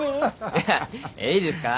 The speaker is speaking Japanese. いやえいですか？